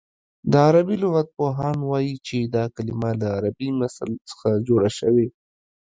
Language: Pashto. د عربي لغت پوهان وايي چې دا کلمه له عربي مثل څخه جوړه شوې